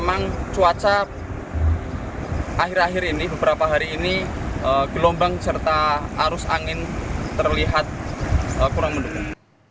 memang cuaca akhir akhir ini beberapa hari ini gelombang serta arus angin terlihat kurang mendukung